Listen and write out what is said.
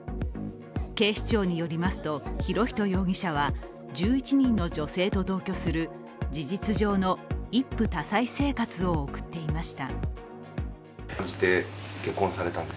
警視庁に寄りますと博仁容疑者は１１人の女性と同居する事実上の一夫多妻生活を送っていました。